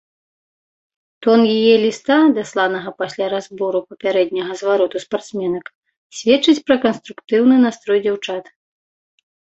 Тон яе ліста, дасланага пасля разбору папярэдняга звароту спартсменак, сведчыць пра канструктыўны настрой дзяўчат.